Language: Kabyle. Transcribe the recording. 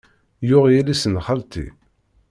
Yuɣ yelli-s n xalti.